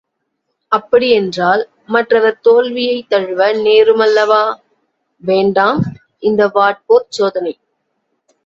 அப்படியென்றால், மற்றவர் தோல்வியைத் தழுவ நேரும் அல்லவா? – வேண்டாம் இந்த வாட்போர்ச் சோதனை!.